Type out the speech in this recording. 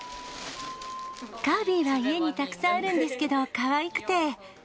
カービィは家にたくさんあるんですけど、かわいくて。